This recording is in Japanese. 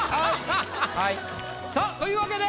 さぁというわけで。